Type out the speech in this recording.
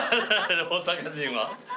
大阪人は？